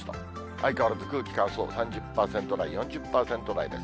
相変わらず空気乾燥、３０％台、４０％台です。